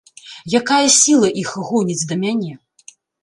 Якая сіла іх гоніць да мяне?